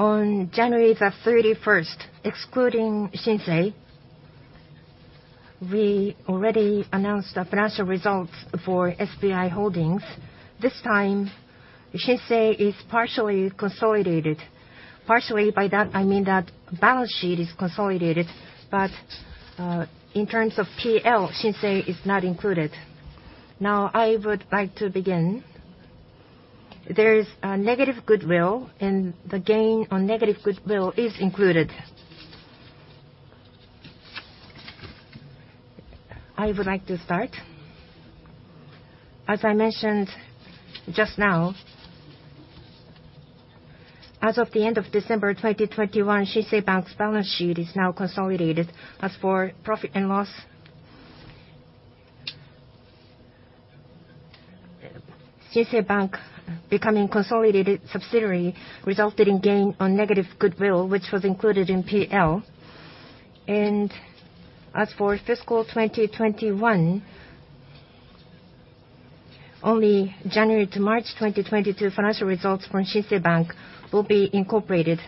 On January 31st, excluding Shinsei, we already announced the financial results for SBI Holdings. This time, Shinsei is partially consolidated. Partially, by that I mean that balance sheet is consolidated, but in terms of PL, Shinsei is not included. Now I would like to begin. There is a negative goodwill, and the gain on negative goodwill is included. I would like to start. As I mentioned just now, as of the end of December 2021, Shinsei Bank's balance sheet is now consolidated. As for profit and loss, Shinsei Bank becoming consolidated subsidiary resulted in gain on negative goodwill, which was included in PL. As for fiscal 2021, only January to March 2022 financial results from Shinsei Bank will be incorporated.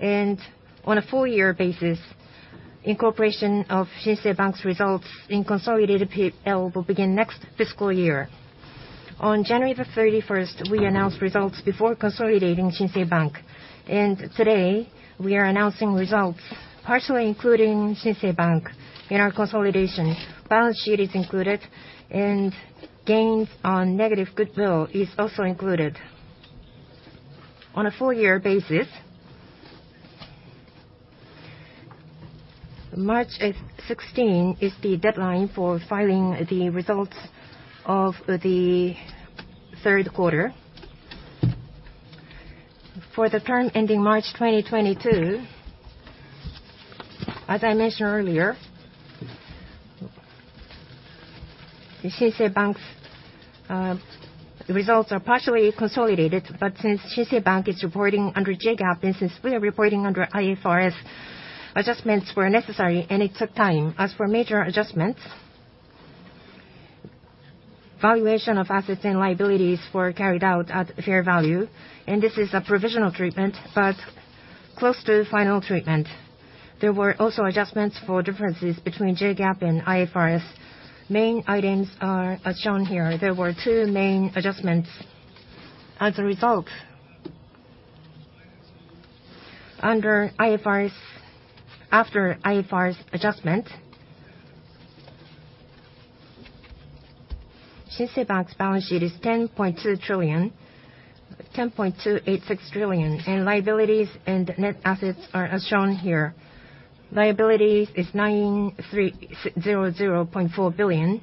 On a full year basis, incorporation of Shinsei Bank's results in consolidated PL will begin next fiscal year. On January 31st, we announced results before consolidating Shinsei Bank. Today, we are announcing results partially including Shinsei Bank in our consolidation. Balance sheet is included, and gains on negative goodwill is also included. On a full year basis, March 16 is the deadline for filing the results of the third quarter. For the term ending March 2022, as I mentioned earlier, Shinsei Bank's results are partially consolidated. Since Shinsei Bank is reporting under JGAAP and since we are reporting under IFRS, adjustments were necessary, and it took time. As for major adjustments, valuation of assets and liabilities were carried out at fair value, and this is a provisional treatment, but close to final treatment. There were also adjustments for differences between JGAAP and IFRS. Main items are as shown here. There were two main adjustments. As a result, under IFRS, after IFRS adjustment, Shinsei Bank's balance sheet is 10.2 trillion, 10.286 trillion, and liabilities and net assets are as shown here. Liabilities is 9,300.4 billion.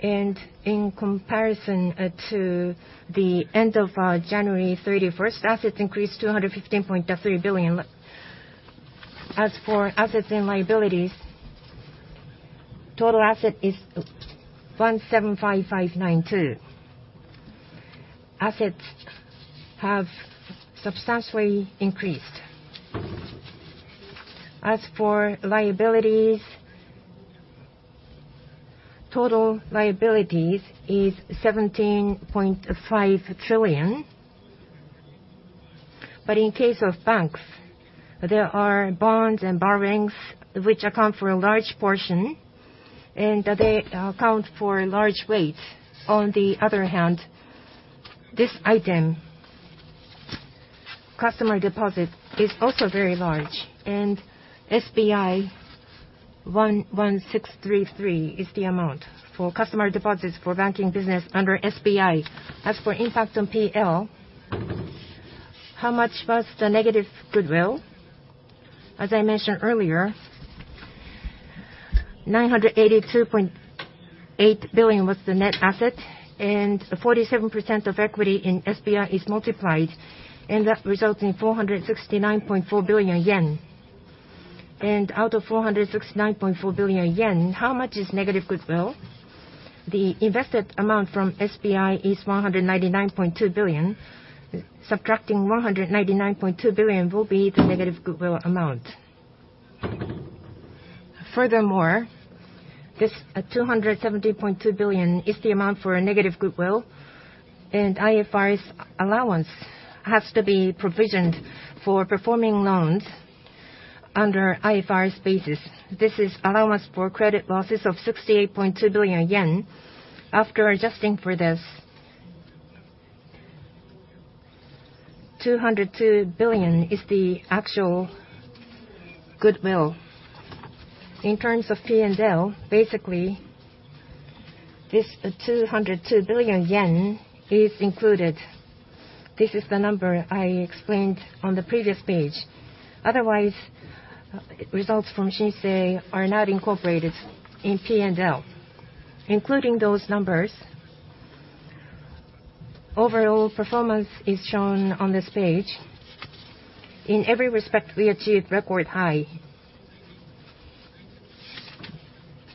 In comparison to the end of January 31st, assets increased 215.3 billion. As for assets and liabilities, total asset is 175,592. Assets have substantially increased. As for liabilities, total liabilities is 17.5 trillion. In case of banks, there are bonds and borrowings which account for a large portion, and they account for a large weight. On the other hand, this item, customer deposit, is also very large, and SBI 1,163.3 is the amount for customer deposits for banking business under SBI. As for impact on PL, how much was the negative goodwill? As I mentioned earlier, 982.8 billion was the net asset, and 47% of equity in SBI is multiplied, and that results in 469.4 billion yen. Out of 469.4 billion yen, how much is negative goodwill? The invested amount from SBI is 199.2 billion. Subtracting 199.2 billion will be the negative goodwill amount. Furthermore, this, 270.2 Billion is the amount for negative goodwill. IFRS allowance has to be provisioned for performing loans under IFRS basis. This is allowance for credit losses of 68.2 billion yen. After adjusting for this, 202 billion is the actual goodwill. In terms of P&L, basically, this, 202 billion yen is included. This is the number I explained on the previous page. Otherwise, results from Shinsei are not incorporated in P&L. Including those numbers, overall performance is shown on this page. In every respect, we achieved record high.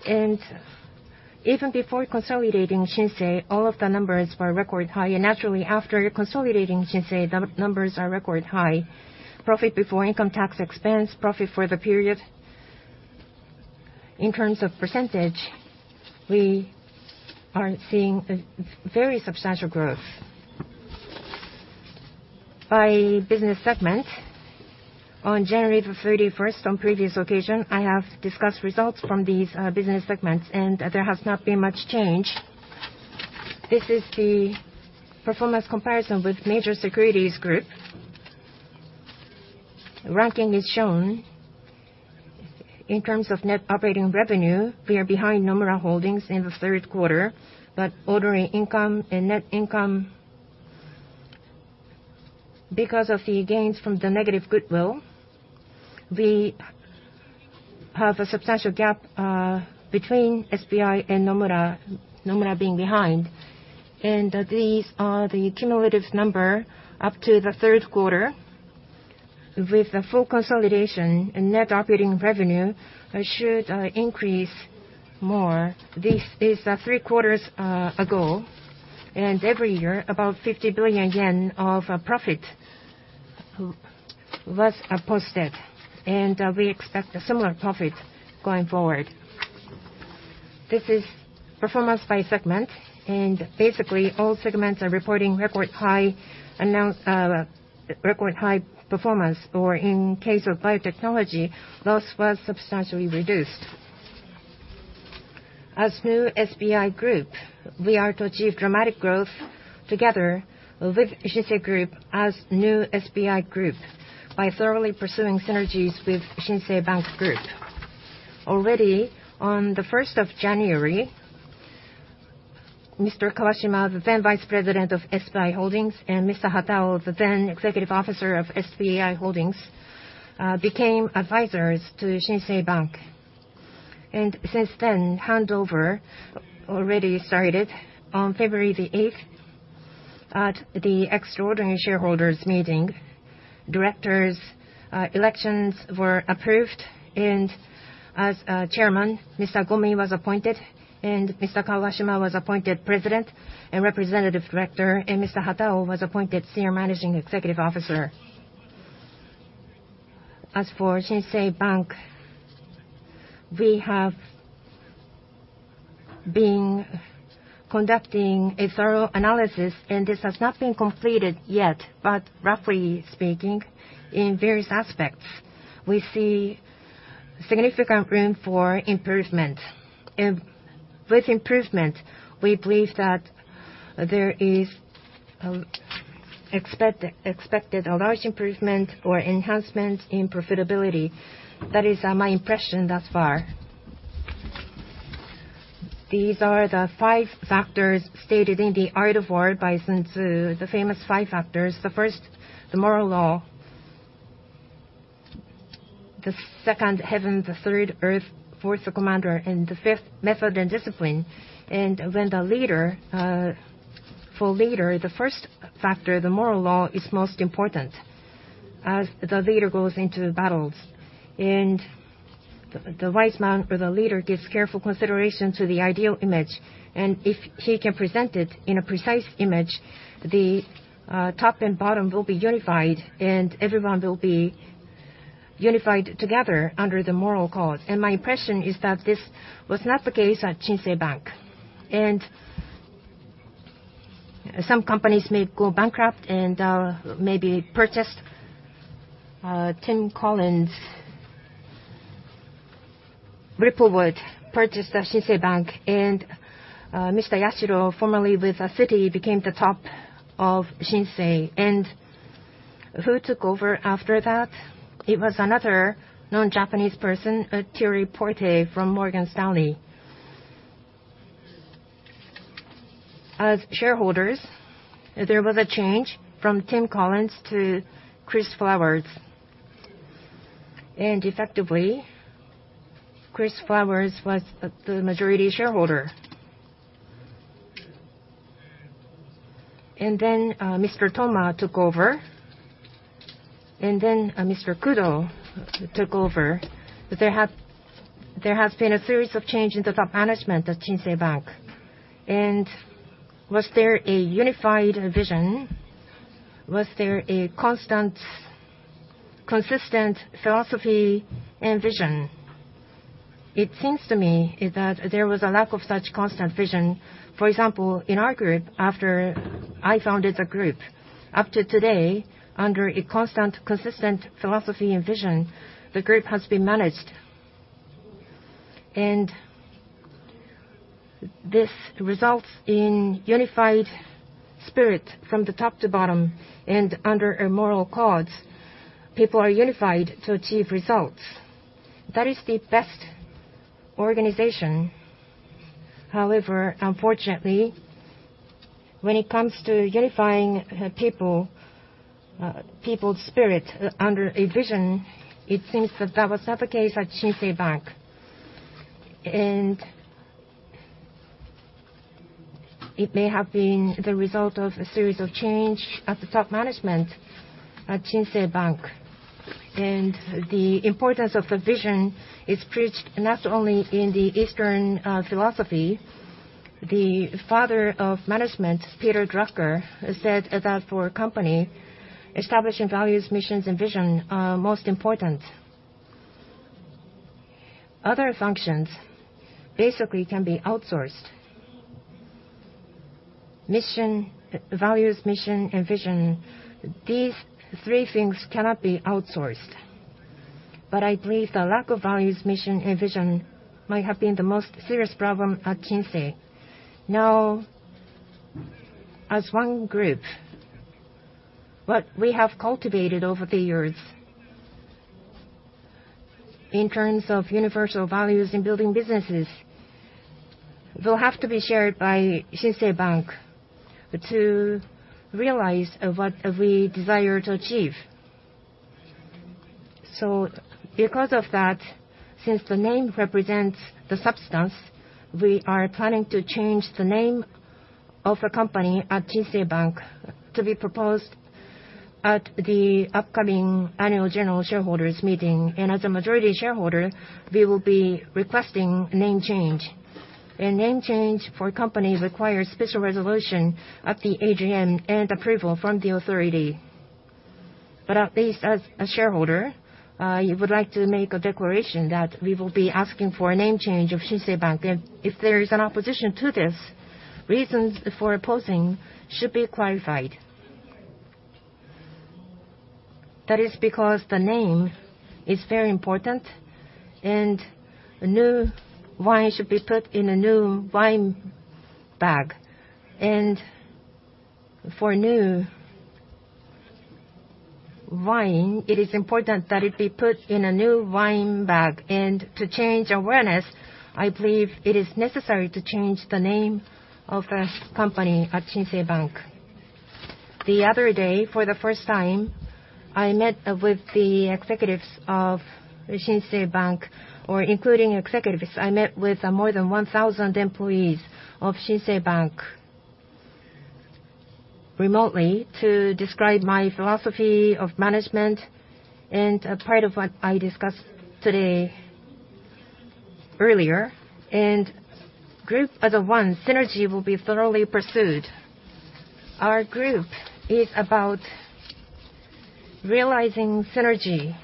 Even before consolidating Shinsei, all of the numbers were record high, and naturally, after consolidating Shinsei, the numbers are record high. Profit before income tax expense, profit for the period. In terms of percentage, we are seeing a very substantial growth. By business segment, on January 31st, on previous occasion, I have discussed results from these, business segments. There has not been much change. This is the performance comparison with major securities group. Ranking is shown. In terms of net operating revenue, we are behind Nomura Holdings in the third quarter. Ordinary income and net income, because of the gains from the negative goodwill, we have a substantial gap between SBI and Nomura being behind. These are the cumulative number up to the third quarter with the full consolidation. Net operating revenue should increase more. This is three quarters ago, and every year, about 50 billion yen of profit was posted. We expect a similar profit going forward. This is performance by segment, and basically all segments are reporting record high performance or in case of biotechnology, loss was substantially reduced. As new SBI Group, we are to achieve dramatic growth together with Shinsei Group as new SBI Group by thoroughly pursuing synergies with Shinsei Bank Group. Already, on the 1st January, Mr. Kawashima, the then vice president of SBI Holdings, and Mr. Hatao, the then executive officer of SBI Holdings, became advisors to Shinsei Bank. Since then, handover already started on February 8th. At the extraordinary shareholders meeting, directors' elections were approved, and as Chairman, Mr. Gomi was appointed, and Mr. Kawashima was appointed President and Representative Director, and Mr. Hatao was appointed Senior Managing Executive Officer. As for Shinsei Bank, we have been conducting a thorough analysis, and this has not been completed yet. Roughly speaking, in various aspects, we see significant room for improvement. With improvement, we believe that there is expected a large improvement or enhancement in profitability. That is my impression thus far. These are the five factors stated in the Art of War by Sun Tzu, the famous five factors. The first, the moral law. The second, heaven. The third, earth. Fourth, the commander. The fifth, method and discipline. When the leader, the first factor, the moral law, is most important as the leader goes into battles. The wise man or the leader gives careful consideration to the ideal image, and if he can present it in a precise image, the top and bottom will be unified, and everyone will be unified together under the moral cause. My impression is that this was not the case at Shinsei Bank. Some companies may go bankrupt and may be purchased. Tim Collins' Ripplewood purchased Shinsei Bank. Mr. Yashiro, formerly with Citi, became the top of Shinsei. Who took over after that? It was another non-Japanese person, Thierry Porté from Morgan Stanley. As shareholders, there was a change from Tim Collins to Chris Flowers. Effectively, Chris Flowers was the majority shareholder. Mr. Toma took over. Mr. Kudo took over. There has been a series of change in the top management at Shinsei Bank. Was there a unified vision? Was there a constant, consistent philosophy and vision? It seems to me that there was a lack of such constant vision. For example, in our group, after I founded the group, up to today, under a constant, consistent philosophy and vision, the group has been managed. This results in unified spirit from the top to bottom. Under a moral cause, people are unified to achieve results. That is the best organization. However, unfortunately, when it comes to unifying people's spirit under a vision, it seems that that was not the case at Shinsei Bank. It may have been the result of a series of change at the top management at Shinsei Bank. The importance of the vision is preached not only in the Eastern philosophy. The father of management, Peter Drucker, said that for a company, establishing values, missions, and vision are most important. Other functions basically can be outsourced. Mission, values, mission, and vision, these three things cannot be outsourced. I believe the lack of values, mission, and vision might have been the most serious problem at Shinsei. Now, as one group, what we have cultivated over the years in terms of universal values in building businesses will have to be shared by Shinsei Bank to realize what we desire to achieve. Because of that, since the name represents the substance, we are planning to change the name of the company at Shinsei Bank to be proposed at the upcoming annual general shareholders meeting. As a majority shareholder, we will be requesting name change. A name change for a company requires special resolution at the AGM and approval from the authority. At least as a shareholder, I would like to make a declaration that we will be asking for a name change of Shinsei Bank. If there is an opposition to this, reasons for opposing should be clarified. That is because the name is very important, and new wine should be put in a new wine bag. For new wine, it is important that it be put in a new wine bag. To change awareness, I believe it is necessary to change the name of the company at Shinsei Bank. The other day, for the first time, I met with the executives of Shinsei Bank, or including executives, I met with more than 1,000 employees of Shinsei Bank remotely to describe my philosophy of management and part of what I discussed today earlier. As a group as one, synergy will be thoroughly pursued. Our group is about realizing synergy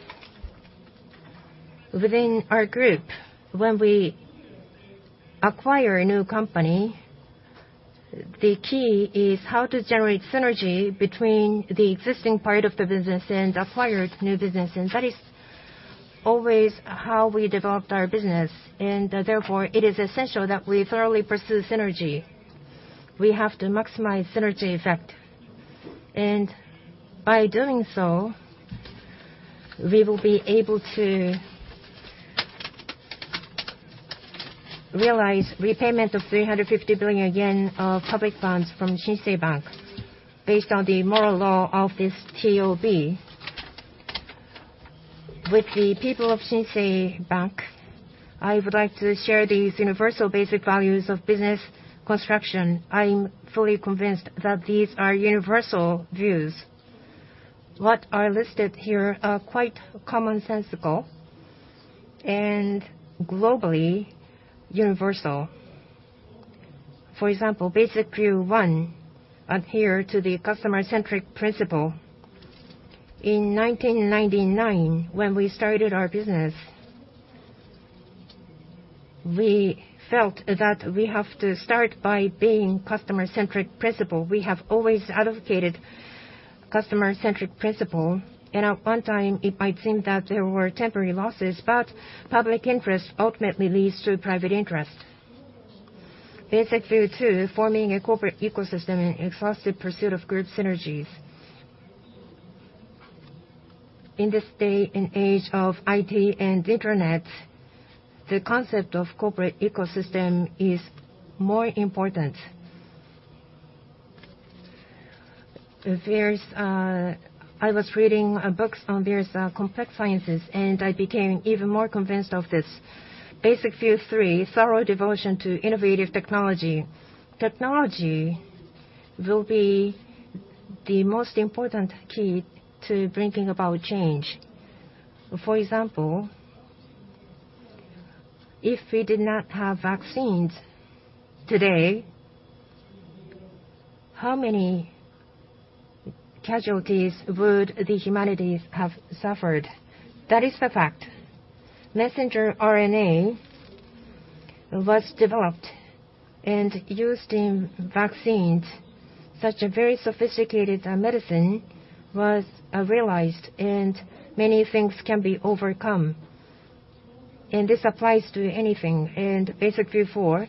within our group. When we acquire a new company, the key is how to generate synergy between the existing part of the business and acquired new business. That is always how we developed our business. Therefore, it is essential that we thoroughly pursue synergy. We have to maximize synergy effect. By doing so, we will be able to realize repayment of 350 billion yen of public funds from Shinsei Bank based on the moral law of this TOB. With the people of Shinsei Bank, I would like to share these universal basic values of business construction. I'm fully convinced that these are universal views. What are listed here are quite commonsensical and globally universal. For example, basic view one, adhere to the customer-centric principle. In 1999, when we started our business, we felt that we have to start by being customer-centric principle. We have always advocated customer-centric principle. At one time, it might seem that there were temporary losses, but public interest ultimately leads to private interest. Basic view two, forming a corporate ecosystem and exhaustive pursuit of group synergies. In this day and age of IT and internet, the concept of corporate ecosystem is more important. There's, I was reading books on various complex sciences, and I became even more convinced of this. Basic view three, thorough devotion to innovative technology. Technology will be the most important key to bringing about change. For example, if we did not have vaccines today, how many casualties would humanity have suffered? That is the fact. Messenger RNA was developed and used in vaccines. Such a very sophisticated medicine was realized, and many things can be overcome. This applies to anything. Basic view four,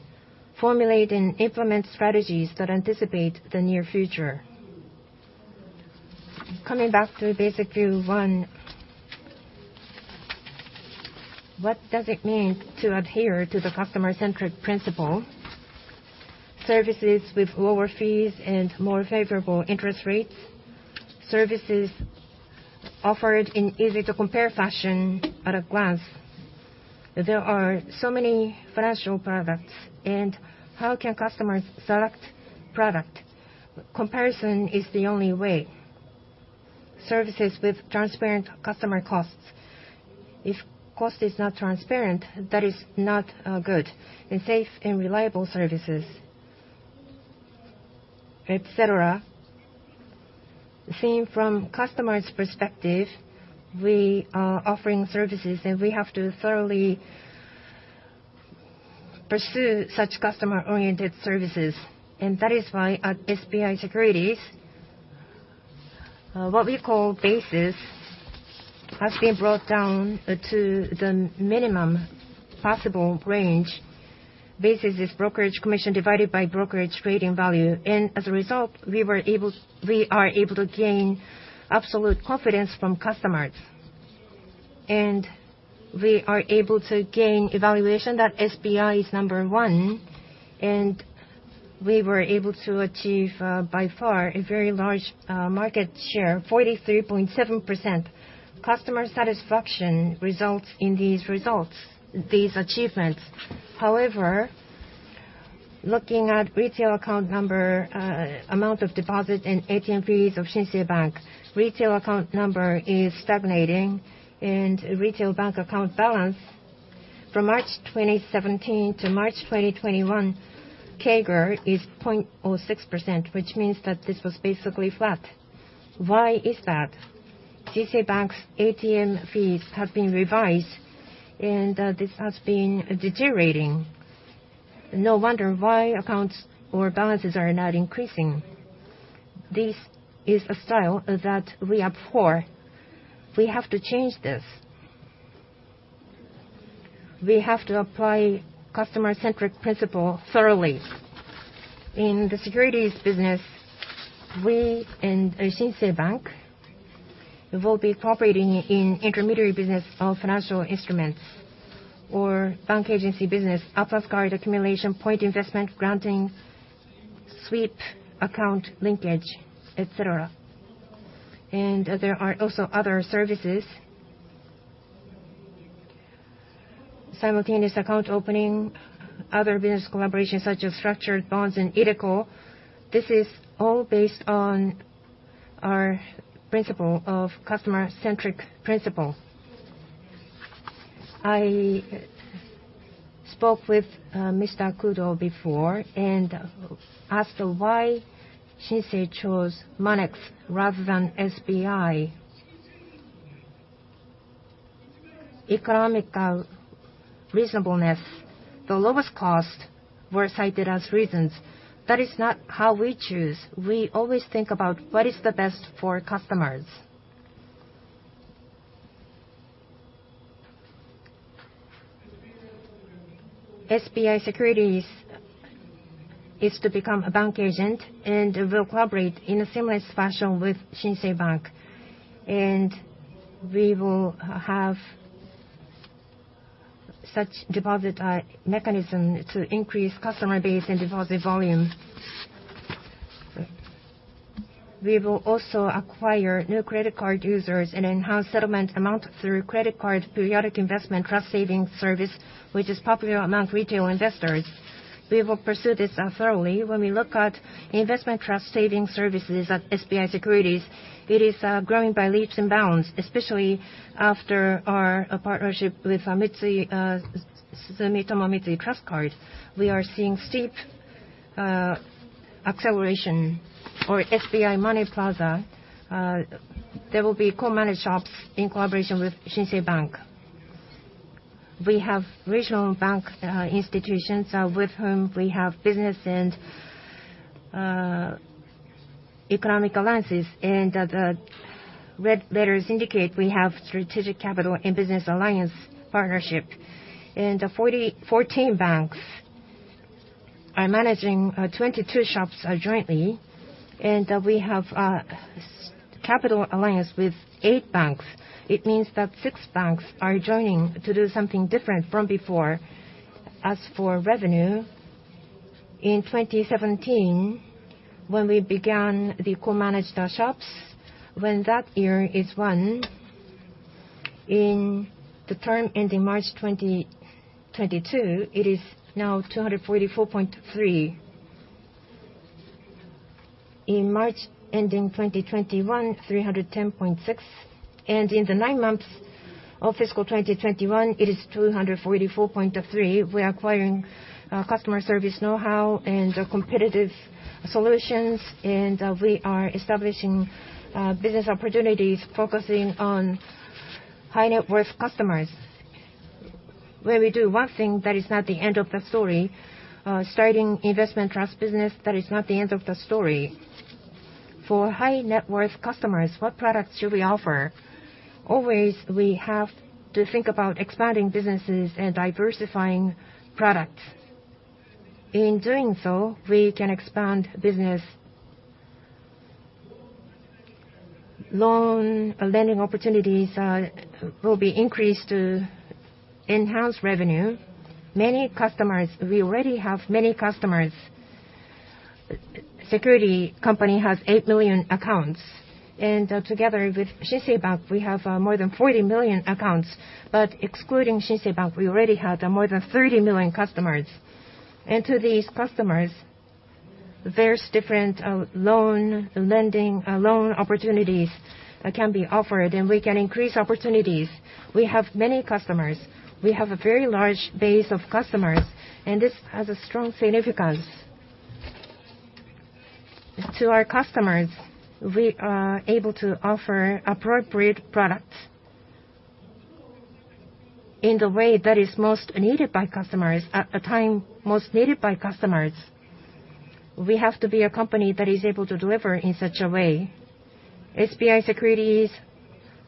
formulate and implement strategies that anticipate the near future. Coming back to basic view one, what does it mean to adhere to the customer-centric principle? Services with lower fees and more favorable interest rates. Services offered in easy to compare fashion at a glance. There are so many financial products, and how can customers select product? Comparison is the only way. Services with transparent customer costs. If cost is not transparent, that is not good. Safe and reliable services, et cetera. Seen from customers' perspective, we are offering services, and we have to thoroughly pursue such customer-oriented services. That is why at SBI Securities, what we call basis has been brought down to the minimum possible range. Basis is brokerage commission divided by brokerage trading value. As a result, we are able to gain absolute confidence from customers. We are able to gain evaluation that SBI is number one, and we were able to achieve by far a very large market share, 43.7%. Customer satisfaction results in these results, these achievements. However, looking at retail account number, amount of deposit and ATM fees of Shinsei Bank, retail account number is stagnating, and retail bank account balance from March 2017 to March 2021, CAGR is 0.06%, which means that this was basically flat. Why is that? Shinsei Bank's ATM fees have been revised, and this has been deteriorating. No wonder why accounts or balances are not increasing. This is a style that we abhor. We have to change this. We have to apply customer-centric principle thoroughly. In the securities business, we and Shinsei Bank will be cooperating in intermediary business of financial instruments or bank agency business, APLUS card accumulation, point investment, granting, sweep, account linkage, et cetera. There are also other services. Simultaneous account opening, other business collaborations such as structured bonds and iDeCo. This is all based on our principle of customer-centric principle. I spoke with Mr. Kudo before and asked why Shinsei chose Monex rather than SBI. Economic reasonableness, the lowest cost were cited as reasons. That is not how we choose. We always think about what is the best for customers. SBI Securities is to become a bank agent and will collaborate in a similar fashion with Shinsei Bank. We will have such deposit mechanism to increase customer base and deposit volume. We will also acquire new credit card users and enhance settlement amount through credit card periodic investment trust savings service, which is popular among retail investors. We will pursue this thoroughly. When we look at investment trust savings services at SBI Securities, it is growing by leaps and bounds, especially after our partnership with Sumitomo Mitsui Trust Cards. We are seeing steep acceleration. For SBI Money Plaza, there will be co-managed shops in collaboration with Shinsei Bank. We have regional bank institutions with whom we have business and economic alliances. The red letters indicate we have strategic capital and business alliance partnership. 14 banks are managing 22 shops jointly. We have capital alliance with eight banks. It means that six banks are joining to do something different from before. As for revenue, in 2017, when we began the co-managed shops, when that year is one, in the term ending March 2022, it is now 244.3. In the term ending March 2021, 310.6. In the nine months of fiscal 2021, it is 244.3. We are acquiring customer service know-how and competitive solutions, and we are establishing business opportunities focusing on high net worth customers. When we do one thing, that is not the end of the story. Starting investment trust business, that is not the end of the story. For high net worth customers, what products should we offer? Always, we have to think about expanding businesses and diversifying products. In doing so, we can expand business. Lending opportunities will be increased to enhance revenue. We already have many customers. Security company has 8 million accounts, and together with Shinsei Bank, we have more than 40 million accounts. Excluding Shinsei Bank, we already have more than 30 million customers. To these customers- There's different lending loan opportunities that can be offered, and we can increase opportunities. We have many customers. We have a very large base of customers, and this has a strong significance. To our customers, we are able to offer appropriate products in the way that is most needed by customers at a time most needed by customers. We have to be a company that is able to deliver in such a way. SBI Securities,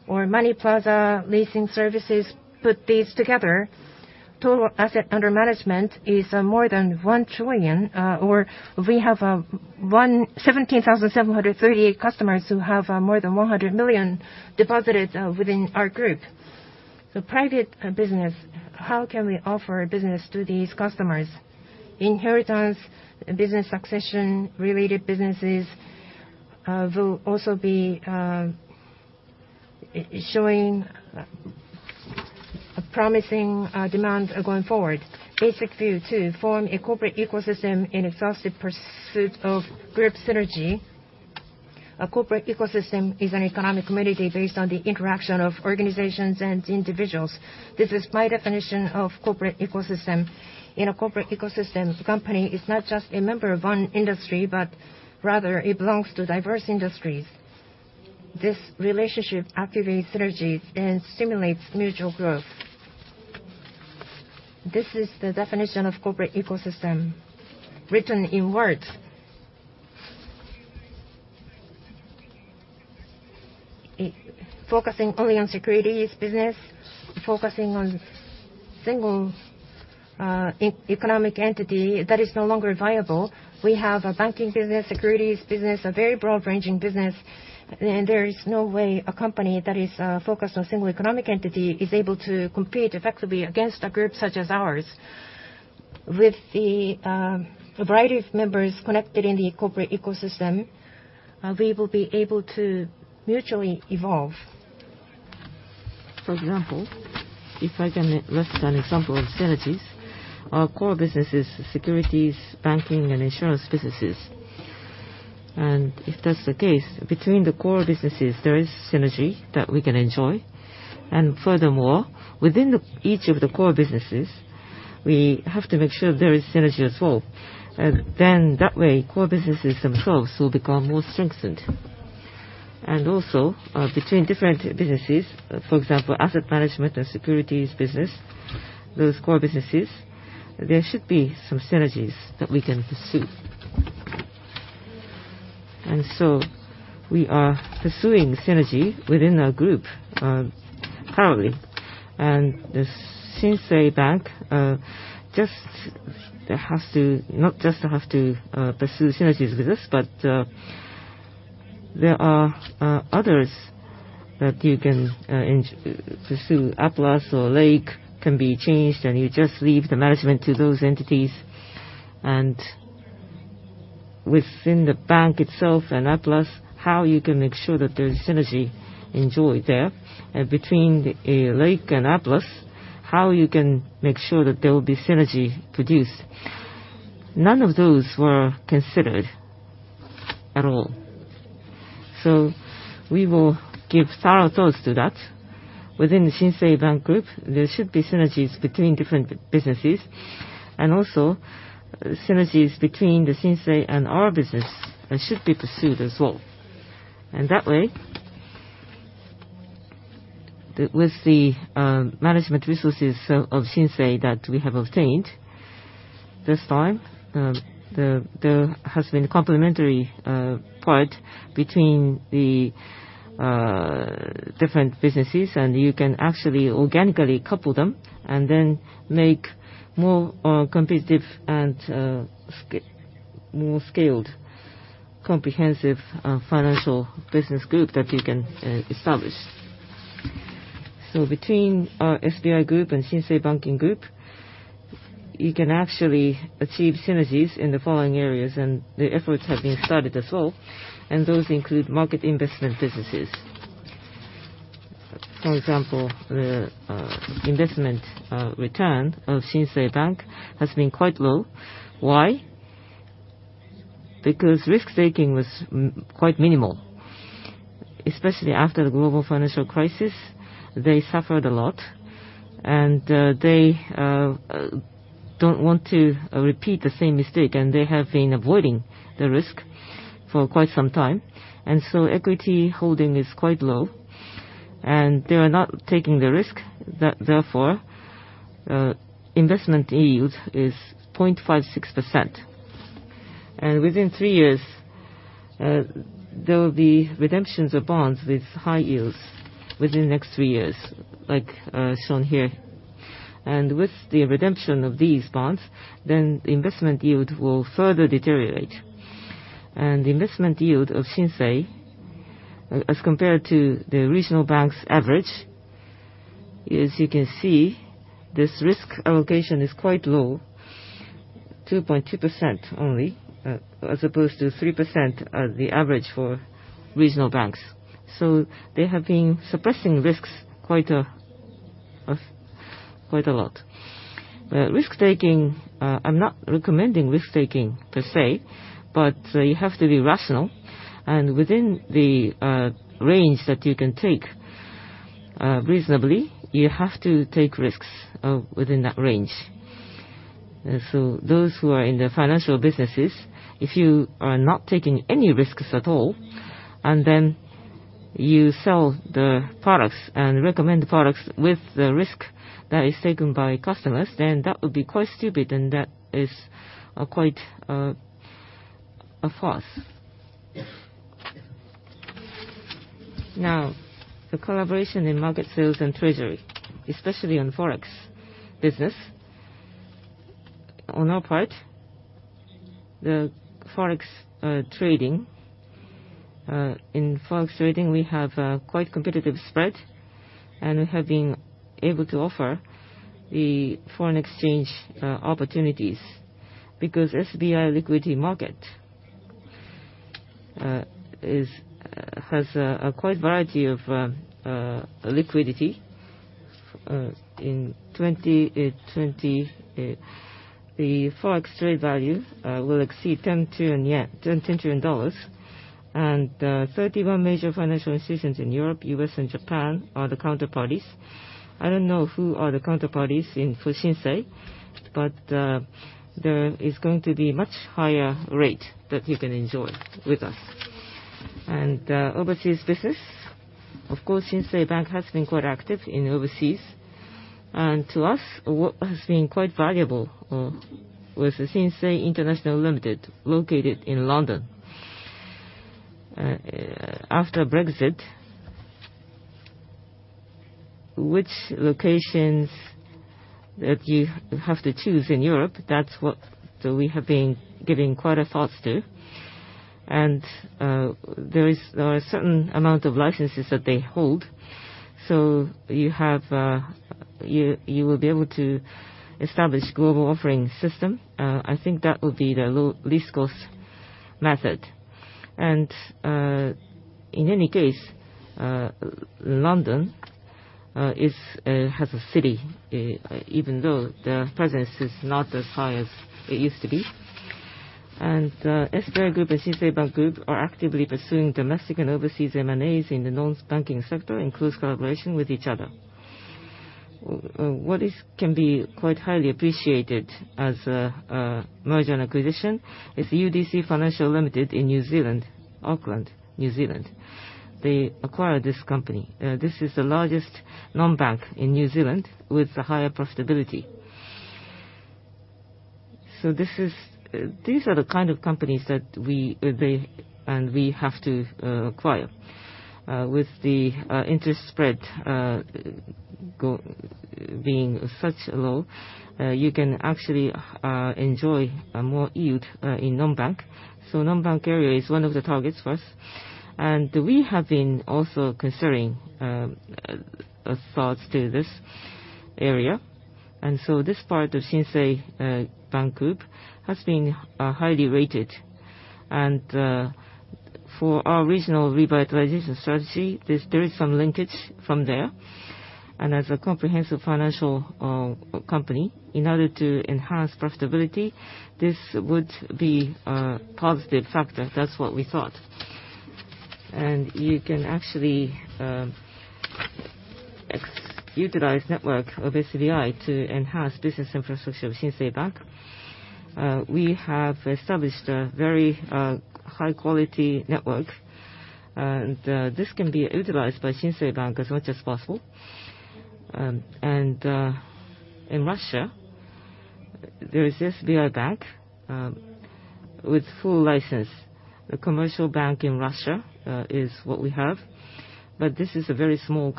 SBI Money Plaza, SBI Leasing Services put these together. Total assets under management is more than 1 trillion, or we have 17,738 customers who have more than 100 million deposited within our group. The private business, how can we offer business to these customers? Inheritance, business succession related businesses will also be showing promising demands going forward. Basic view to form a corporate ecosystem in exhaustive pursuit of group synergy. A corporate ecosystem is an economic community based on the interaction of organizations and individuals. This is my definition of corporate ecosystem. In a corporate ecosystem, company is not just a member of one industry, but rather it belongs to diverse industries. This relationship activates synergies and stimulates mutual growth. This is the definition of corporate ecosystem written in words. Focusing only on securities business, focusing on single economic entity, that is no longer viable. We have a banking business, securities business, a very broad-ranging business, and there is no way a company that is focused on single economic entity is able to compete effectively against a group such as ours. With the variety of members connected in the corporate ecosystem, we will be able to mutually evolve. For example, if I can list an example of synergies, our core business is securities, banking, and insurance businesses. If that's the case, between the core businesses, there is synergy that we can enjoy. Furthermore, within each of the core businesses, we have to make sure there is synergy as well. Then that way, core businesses themselves will become more strengthened. Between different businesses, for example, asset management or securities business, those core businesses, there should be some synergies that we can pursue. We are pursuing synergy within our group currently. The Shinsei Bank just has to pursue synergies with this, but there are others that you can pursue. APLUS or Lake can be changed, and you just leave the management to those entities. Within the bank itself and APLUS, how you can make sure that there is synergy enjoyed there. Between Lake and APLUS, how you can make sure that there will be synergy produced. None of those were considered at all. We will give thorough thoughts to that. Within the Shinsei Bank Group, there should be synergies between different businesses, and also synergies between the Shinsei and our business should be pursued as well. That way, with the management resources of Shinsei that we have obtained this time, there has been complementary part between the different businesses, and you can actually organically couple them and then make more competitive and more scaled comprehensive financial business group that you can establish. Between our SBI Group and Shinsei Bank Group, you can actually achieve synergies in the following areas, and the efforts have been started as well. Those include market investment businesses. For example, the investment return of Shinsei Bank has been quite low. Why? Because risk-taking was quite minimal, especially after the global financial crisis, they suffered a lot. They don't want to repeat the same mistake, and they have been avoiding the risk for quite some time. Equity holding is quite low, and they are not taking the risk that therefore, investment yield is 0.56%. Within three years, there will be redemptions of bonds with high yields within the next three years, like shown here. With the redemption of these bonds, then investment yield will further deteriorate. Investment yield of Shinsei, as compared to the regional bank's average, as you can see, this risk allocation is quite low, 2.2% only, as opposed to 3%, the average for regional banks. They have been suppressing risks quite a lot. Risk-taking, I'm not recommending risk-taking per se, but you have to be rational. Within the range that you can take reasonably, you have to take risks within that range. Those who are in the financial businesses, if you are not taking any risks at all, and then you sell the products and recommend the products with the risk that is taken by customers, then that would be quite stupid and that is quite a farce. Now, the collaboration in market sales and treasury, especially on Forex business. On our part, the Forex trading. In Forex trading, we have a quite competitive spread, and we have been able to offer the foreign exchange opportunities. Because SBI Liquidity Market has quite a variety of liquidity. In 2020, the Forex trade value will exceed 10 trillion yen - $10 trillion. 31 major financial institutions in Europe, U.S., and Japan are the counterparties. I don't know who are the counterparties in for Shinsei, but there is going to be much higher rate that you can enjoy with us. Overseas business. Of course, Shinsei Bank has been quite active in overseas. To us, what has been quite valuable was Shinsei International Limited located in London. After Brexit, which locations that you have to choose in Europe, that's what we have been giving quite a thoughts to. There is certain amount of licenses that they hold. You have you will be able to establish global offering system. I think that would be the least cost method. In any case, London is has a city even though the presence is not as high as it used to be. SBI Group and Shinsei Bank Group are actively pursuing domestic and overseas M&As in the non-banking sector in close collaboration with each other. What can be quite highly appreciated as a merger and acquisition is UDC Finance Limited in New Zealand, Auckland, New Zealand. They acquired this company. This is the largest non-bank in New Zealand with a higher profitability. These are the kind of companies that we have to acquire. With the interest spread being so low, you can actually enjoy more yield in non-bank. Non-bank area is one of the targets for us. We have been also considering thoughts to this area. This part of Shinsei Bank Group has been highly rated. For our regional revitalization strategy, there is some linkage from there. As a comprehensive financial company, in order to enhance profitability, this would be a positive factor. That's what we thought. You can actually utilize network of SBI to enhance business infrastructure of Shinsei Bank. We have established a very high quality network, and this can be utilized by Shinsei Bank as much as possible. In Russia, there is SBI Bank with full license. A commercial bank in Russia is what we have. This is a very small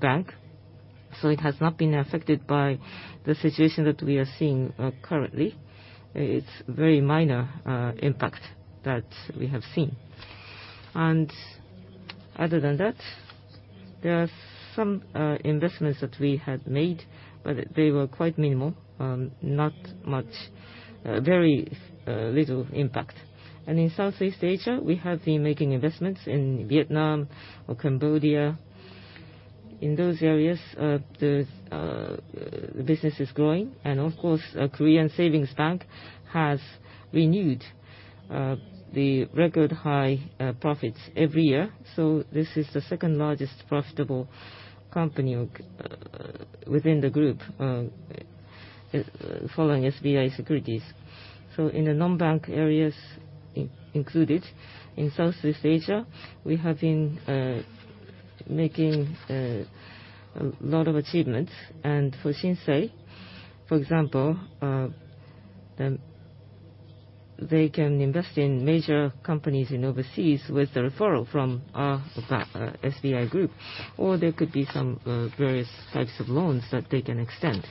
bank, so it has not been affected by the situation that we are seeing currently. It's very minor impact that we have seen. Other than that, there are some investments that we had made, but they were quite minimal, not much, very little impact. In Southeast Asia, we have been making investments in Vietnam or Cambodia. In those areas, the business is growing. Of course, SBI Savings Bank has renewed the record high profits every year. This is the second-largest profitable company within the group, following SBI Securities. In the non-bank areas included, in Southeast Asia, we have been making a lot of achievements. For Shinsei, for example, they can invest in major companies overseas with the referral from SBI Group, or there could be some various types of loans that they can extend.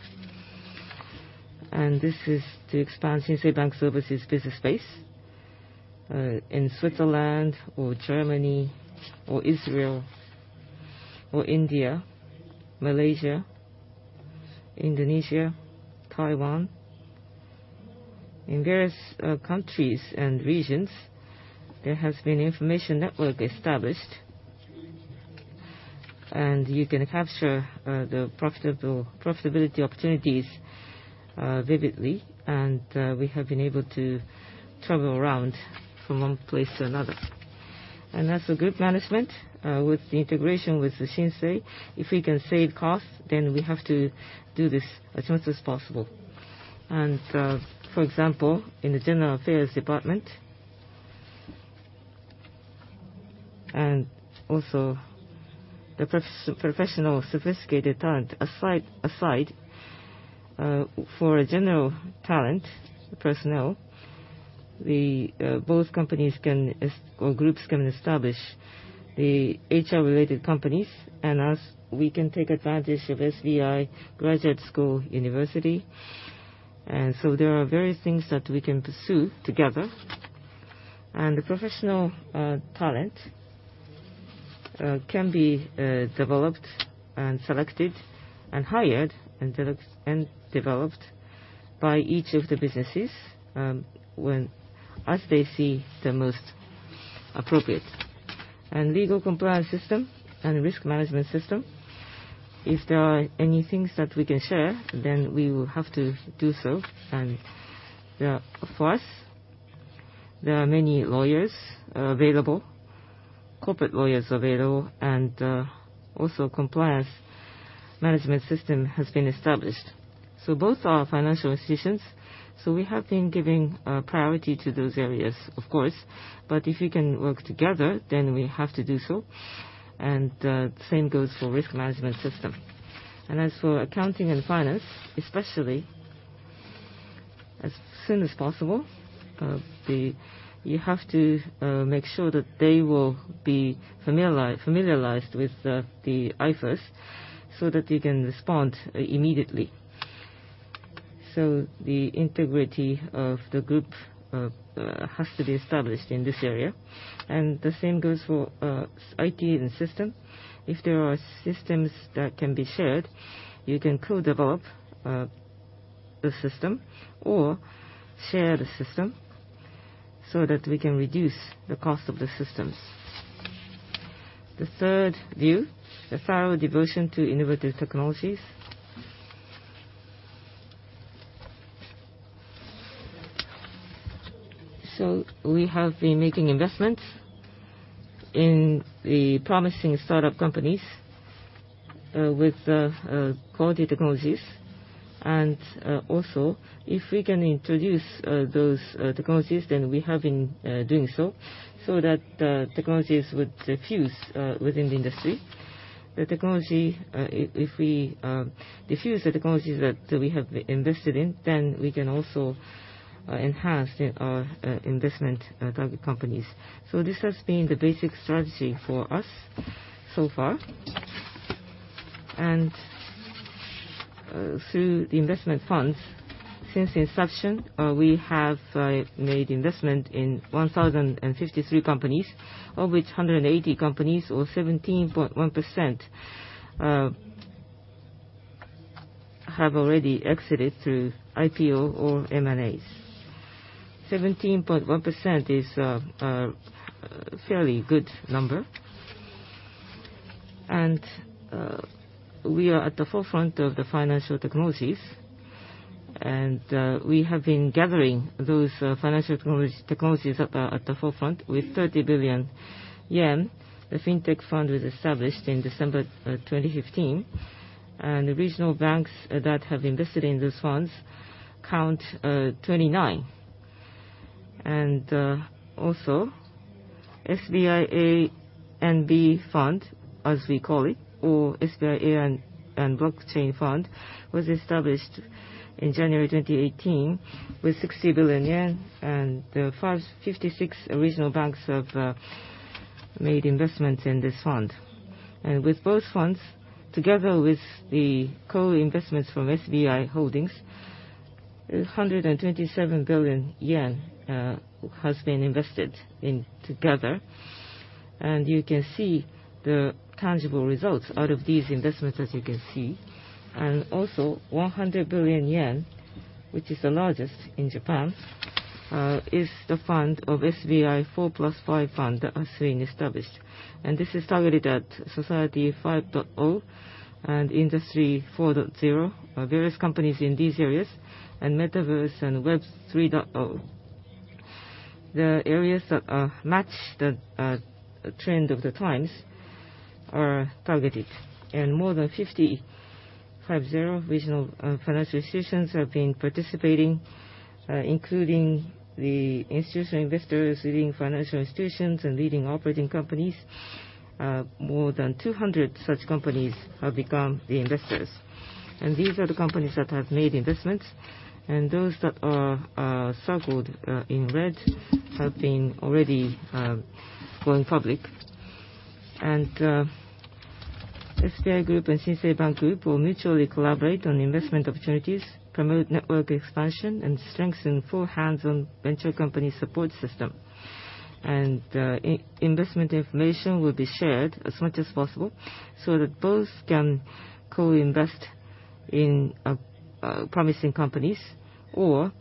This is to expand Shinsei Bank Services business base in Switzerland or Germany or Israel or India, Malaysia, Indonesia, Taiwan. In various countries and regions, there has been information network established, and you can capture the profitability opportunities vividly, and we have been able to travel around from one place to another. As for group management, with the integration with the Shinsei, if we can save costs, then we have to do this as much as possible. For example, in the general affairs department, and also the professional sophisticated talent aside, for a general talent personnel, both companies or groups can establish the HR-related companies, and as we can take advantage of SBI Graduate School. There are various things that we can pursue together. The professional talent can be developed and selected and hired and developed by each of the businesses, as they see the most appropriate. Legal compliance system and risk management system, if there are any things that we can share, then we will have to do so. Yeah, for us, there are many lawyers available, corporate lawyers available, and also compliance management system has been established. Both are financial institutions, so we have been giving priority to those areas, of course. If we can work together, then we have to do so, and the same goes for risk management system. As for accounting and finance, especially, as soon as possible, you have to make sure that they will be familiarized with the IFRS so that they can respond immediately. The integrity of the group has to be established in this area, and the same goes for IT and system. If there are systems that can be shared, you can co-develop the system or share the system so that we can reduce the cost of the systems. The third view, the thorough devotion to innovative technologies. We have been making investments in the promising startup companies with the quality technologies. Also, if we can introduce those technologies, then we have been doing so that technologies would diffuse within the industry. The technology, if we diffuse the technologies that we have invested in, then we can also enhance the investment target companies. This has been the basic strategy for us so far. Through the investment funds, since inception, we have made investment in 1,053 companies, of which 180 companies or 17.1% have already exited through IPO or MNAs. 17.1% is a fairly good number. We are at the forefront of the financial technologies, and we have been gathering those financial technologies at the forefront with 30 billion yen. The FinTech Fund was established in December 2015, and the regional banks that have invested in those funds count 29. Also, SBI AI & Blockchain Fund, as we call it, was established in January 2018 with 60 billion yen, and the first 56 regional banks have made investments in this fund. With both funds, together with the co-investments from SBI Holdings, 127 billion yen has been invested in together. You can see the tangible results out of these investments, as you can see. Also, 100 billion yen, which is the largest in Japan, is the fund of SBI 4+5 Fund that has been established. This is targeted at Society 5.0 and Industry 4.0, various companies in these areas, and Metaverse and Web 3.0. The areas that match the trend of the times are targeted, and more than 550 regional financial institutions have been participating, including the institutional investors, leading financial institutions, and leading operating companies. More than 200 such companies have become the investors, and these are the companies that have made investments, and those that are circled in red have been already going public. SBI Group and Shinsei Bank Group will mutually collaborate on investment opportunities, promote network expansion, and strengthen full hands-on venture company support system. Investment information will be shared as much as possible so that both can co-invest in promising companies. One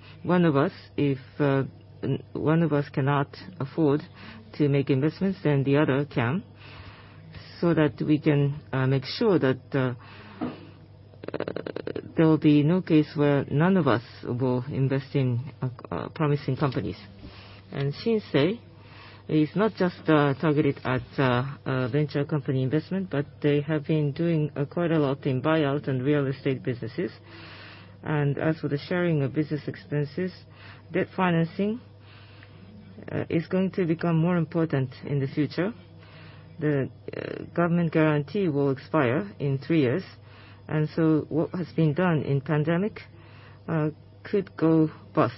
of us, if one of us cannot afford to make investments, then the other can, so that we can make sure that there will be no case where none of us will invest in promising companies. Shinsei is not just targeted at venture company investment, but they have been doing quite a lot in buyouts and real estate businesses. As for the sharing of business expenses, debt financing is going to become more important in the future. Government guarantee will expire in three years, so what has been done in pandemic could go bust.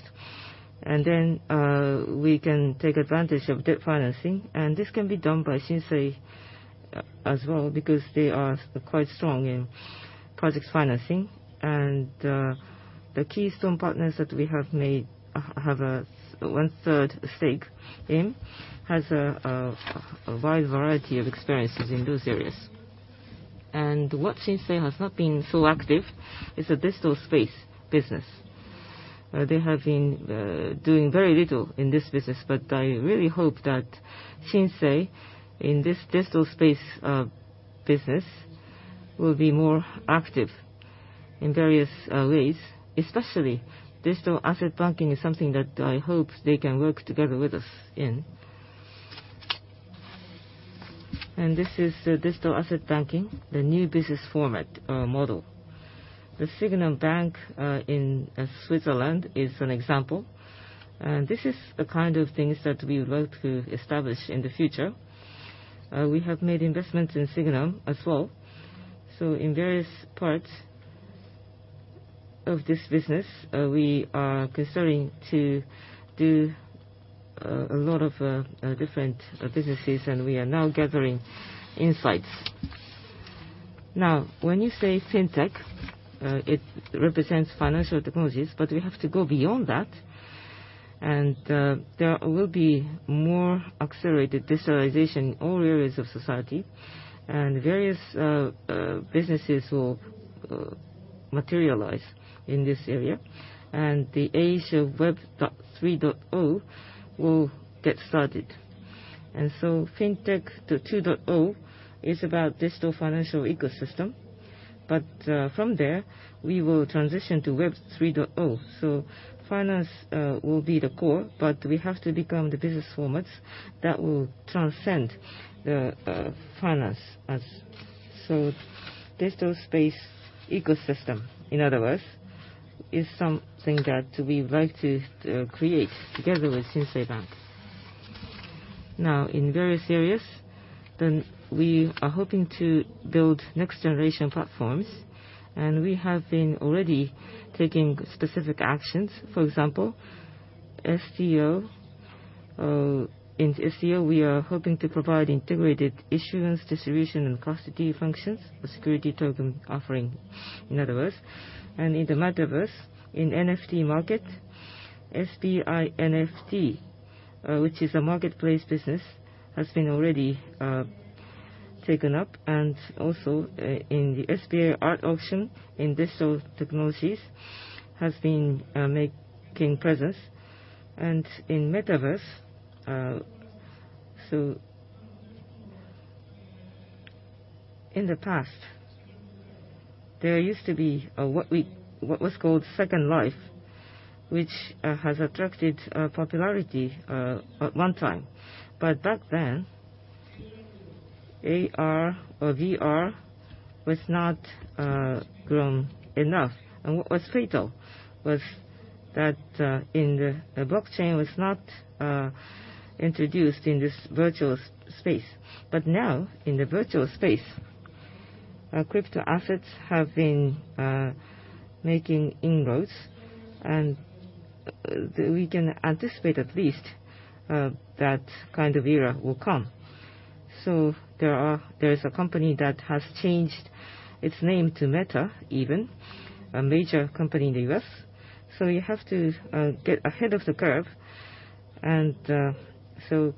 We can take advantage of debt financing, and this can be done by Shinsei as well because they are quite strong in project financing. The Keystone Partners that we have made have one-third stake in has a wide variety of experiences in those areas. What Shinsei has not been so active is the digital space business. They have been doing very little in this business, but I really hope that Shinsei, in this digital space business, will be more active in various ways, especially digital asset banking is something that I hope they can work together with us in. This is the digital asset banking, the new business format model. The Sygnum Bank in Switzerland is an example. This is the kind of things that we would like to establish in the future. We have made investments in Sygnum as well. In various parts of this business, we are continuing to do a lot of different businesses, and we are now gathering insights. Now, when you say Fintech, it represents financial technologies, but we have to go beyond that. There will be more accelerated digitalization in all areas of society, and various businesses will materialize in this area. The age of Web 3.0 will get started. Fintech 2.0 is about digital financial ecosystem, but from there, we will transition to Web 3.0. Finance will be the core, but we have to become the business formats that will transcend the finance, as a digital space ecosystem, in other words, is something that we would like to create together with Shinsei Bank. Now, in various areas, we are hoping to build next-generation platforms, and we have been already taking specific actions. For example, STO. In STO, we are hoping to provide integrated issuance, distribution, and custody functions, a security token offering, in other words. In the Metaverse, in NFT market, SBINFT, which is a marketplace business, has been already taken up. In the SBI Art Auction in digital technologies, has been making presence. In Metaverse, in the past, there used to be what was called Second Life, which has attracted popularity at one time. Back then, AR or VR was not grown enough, and what was fatal was that the blockchain was not introduced in this virtual space. Now, in the virtual space, crypto assets have been making inroads, and we can anticipate at least that kind of era will come. There is a company that has changed its name to Meta even, a major company in the U.S. You have to get ahead of the curve, and so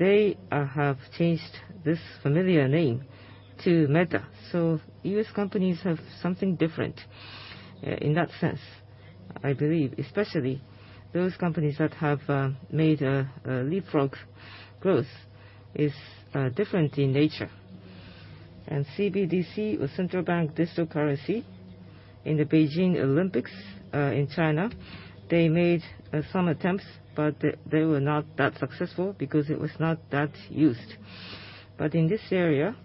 they have changed this familiar name to Meta. U.S. companies have something different in that sense. I believe especially those companies that have made a leapfrog growth is different in nature. CBDC or Central Bank Digital Currency in the Beijing Olympics in China, they made some attempts, but they were not that successful because it was not that used. In this area,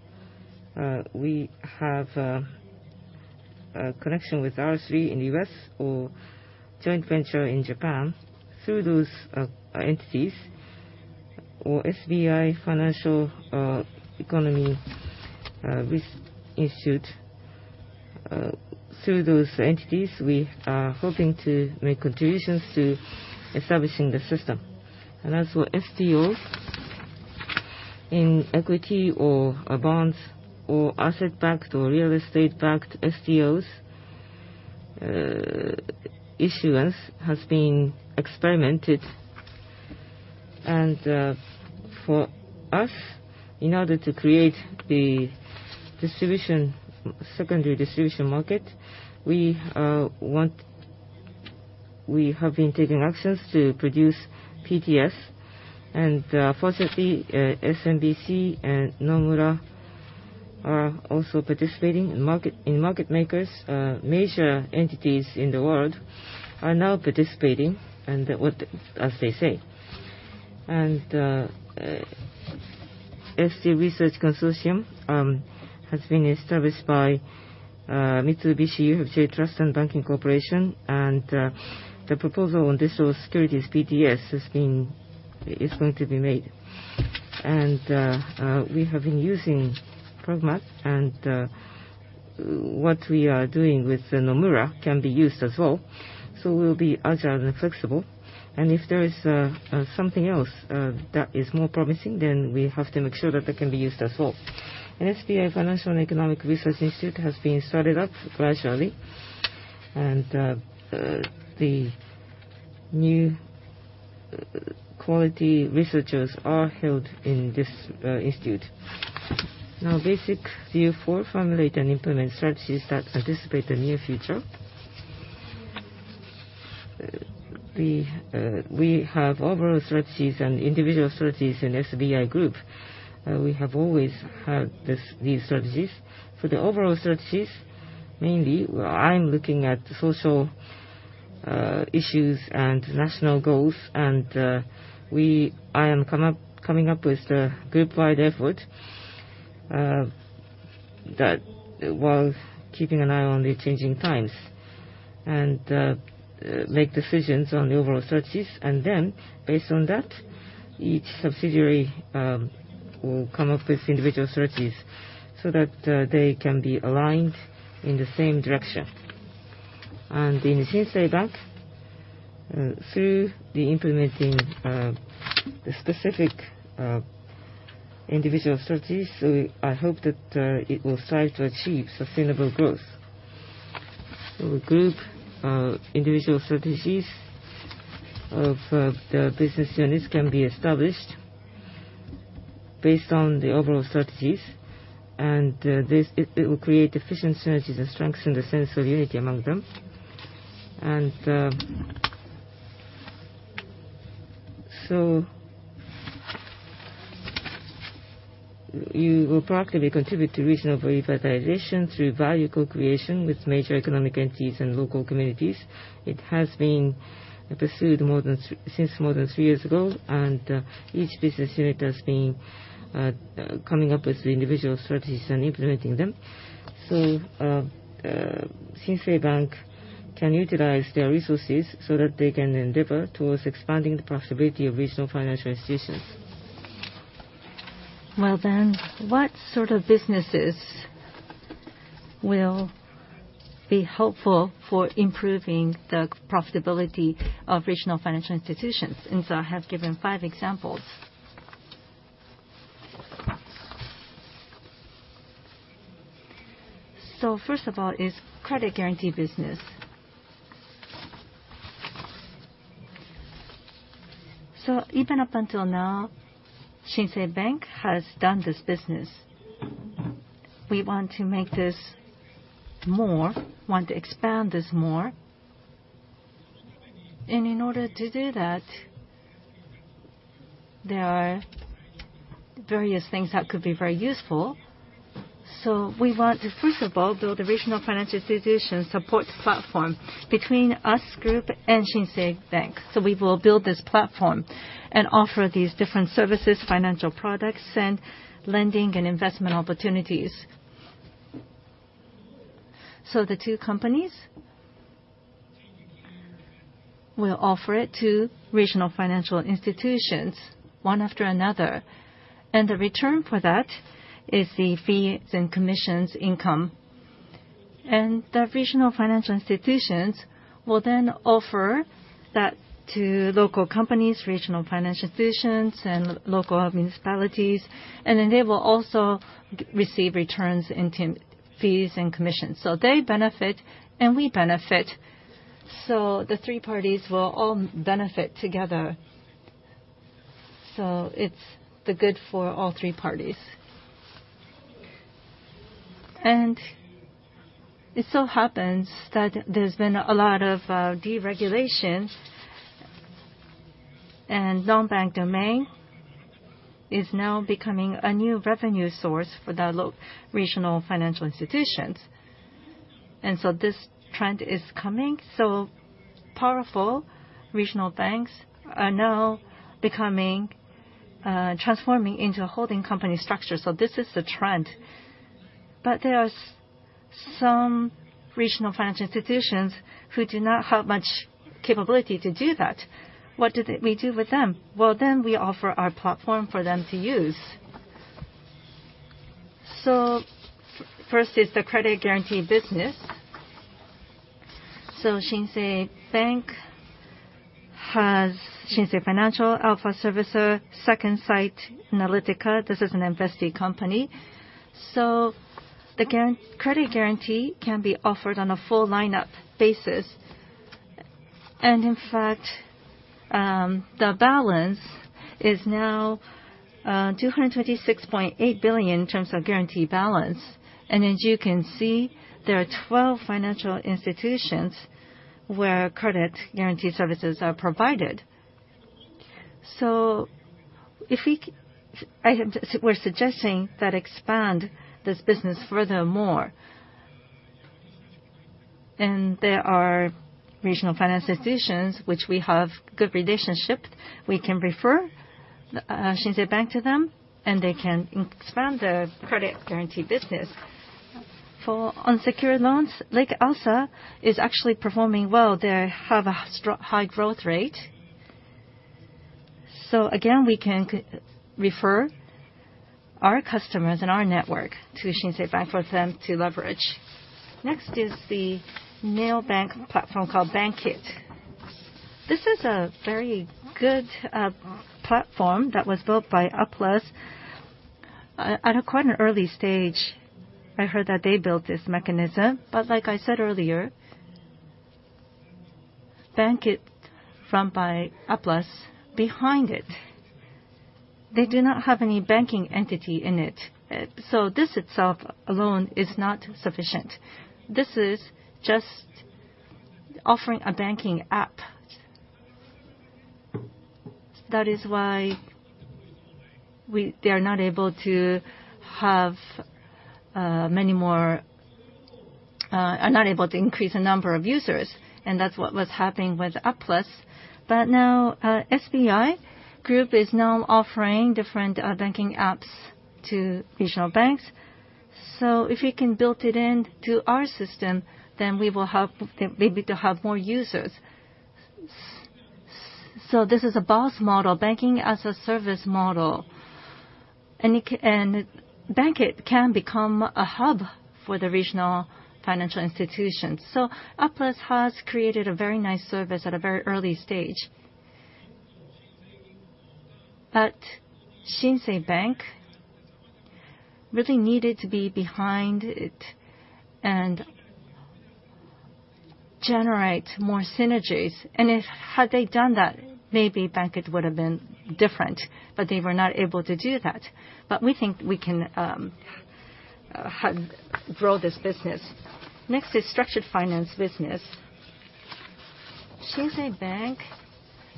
we have a connection with R3 in the U.S. or joint venture in Japan through those entities or SBI Financial and Economic Research Institute. Through those entities, we are hoping to make contributions to establishing the system. As for STOs in equity or bonds or asset-backed or real estate-backed STOs, issuance has been experimented. For us, in order to create the secondary distribution market, we have been taking actions to produce PTS. Fortunately, SMBC and Nomura are also participating in market, in market makers. Major entities in the world are now participating and, as they say. ST Research Consortium has been established by Mitsubishi UFJ Trust and Banking Corporation, and the proposal on digital securities PTS is going to be made. We have been using Progmat, and what we are doing with Nomura can be used as well. We'll be agile and flexible. If there is something else that is more promising, then we have to make sure that that can be used as well. SBI Financial and Economic Research Institute has been started up gradually, and the high-quality researchers are hired in this institute. Now, basic view four, formulate and implement strategies that anticipate the near future. We have overall strategies and individual strategies in SBI Group. We have always had these strategies. For the overall strategies, mainly, well, I'm looking at social issues and national goals, and I am coming up with a group-wide effort that was keeping an eye on the changing times, and make decisions on the overall strategies. Based on that, each subsidiary will come up with individual strategies so that they can be aligned in the same direction. In Shinsei Bank, through the implementing the specific individual strategies, I hope that it will strive to achieve sustainable growth. The Group's individual strategies of the business units can be established based on the overall strategies, and it will create efficient synergies and strengthen the sense of unity among them. You will proactively contribute to regional revitalization through value co-creation with major economic entities and local communities. It has been pursued since more than three years ago, and each business unit has been coming up with individual strategies and implementing them. Shinsei Bank can utilize their resources so that they can endeavor towards expanding the profitability of regional financial institutions. Well, then, what sort of businesses will be helpful for improving the profitability of regional financial institutions? I have given five examples. First of all is credit guarantee business. Even up until now, Shinsei Bank has done this business. We want to expand this more. In order to do that, there are various things that could be very useful. We want to, first of all, build a regional financial institution support platform between SBI Group and Shinsei Bank. We will build this platform and offer these different services, financial products, and lending and investment opportunities. The two companies will offer it to regional financial institutions one after another. The return for that is the fees and commissions income. The regional financial institutions will then offer that to local companies, regional financial institutions, and local municipalities, and then they will also receive returns into fees and commissions. They benefit and we benefit. The three parties will all benefit together. It's the good for all three parties. It so happens that there's been a lot of deregulation, and non-bank domain is now becoming a new revenue source for the regional financial institutions. This trend is coming. Powerful regional banks are now transforming into a holding company structure. This is the trend. There are some regional financial institutions who do not have much capability to do that. What do we do with them? Well, then we offer our platform for them to use. First is the credit guarantee business. Shinsei Bank has Shinsei Financial, Alpha Servicer, Second Sight Analytica, this is an invested company. The guarantee can be offered on a full lineup basis. In fact, the balance is now 226.8 billion in terms of guarantee balance. As you can see, there are 12 financial institutions where credit guarantee services are provided. If we're suggesting that expand this business furthermore. There are regional financial institutions which we have good relationship. We can refer Shinsei Bank to them, and they can expand the credit guarantee business. For unsecured loans, Lake ASA is actually performing well. They have a high growth rate. Again, we can refer our customers and our network to Shinsei Bank for them to leverage. Next is the neo bank platform called BANKIT. This is a very good platform that was built by APLUS. At quite an early stage, I heard that they built this mechanism. Like I said earlier, BANKIT run by APLUS behind it, they do not have any banking entity in it. This itself alone is not sufficient. This is just offering a banking app. That is why they are not able to increase the number of users, and that's what was happening with APLUS. Now, SBI Group is offering different banking apps to regional banks. If we can build it into our system, then we will maybe have more users. This is a BaaS model, Banking-as-a-Service model, and BANKIT can become a hub for the regional financial institutions. APLUS has created a very nice service at a very early stage. Shinsei Bank really needed to be behind it and generate more synergies. Had they done that, maybe BANKIT would've been different, but they were not able to do that. We think we can grow this business. Next is structured finance business. Shinsei Bank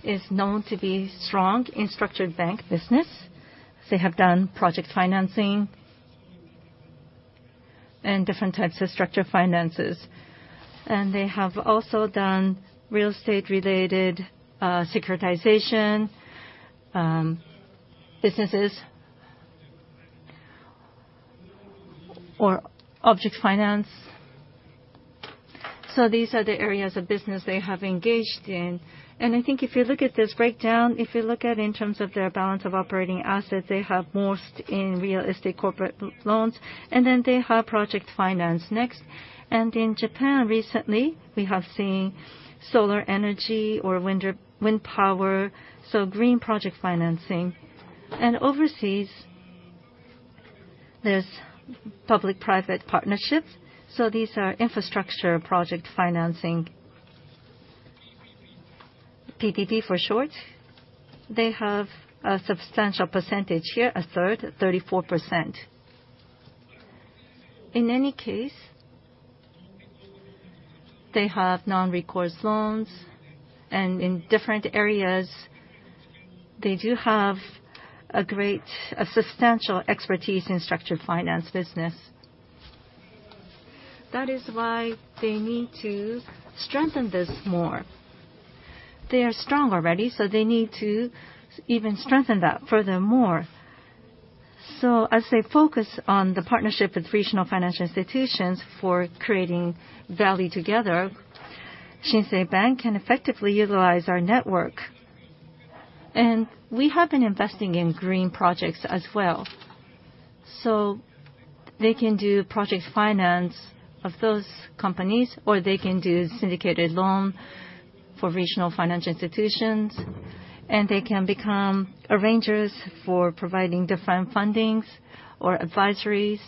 is known to be strong in structured finance business. They have done project financing and different types of structured finances. They have also done real estate-related securitization businesses or object finance. These are the areas of business they have engaged in. I think if you look at this breakdown, if you look at in terms of their balance of operating assets, they have most in real estate corporate loans, and then they have project finance next. In Japan recently, we have seen solar energy or wind power, so green project financing. Overseas, there's public-private partnerships, so these are infrastructure project financing. PPP for short. They have a substantial percentage here, a third, 34%. In any case, they have non-recourse loans, and in different areas, they do have a substantial expertise in structured finance business. That is why they need to strengthen this more. They are strong already, so they need to even strengthen that furthermore. As they focus on the partnership with regional financial institutions for creating value together, Shinsei Bank can effectively utilize our network. We have been investing in green projects as well. They can do project finance of those companies, or they can do syndicated loan for regional financial institutions, and they can become arrangers for providing different fundings or advisories,